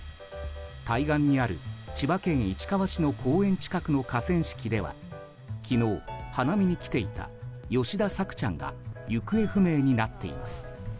対岸にある千葉県市川市の公園近くの河川敷では昨日、花見に来ていた吉田朔ちゃんが行方不明になっています。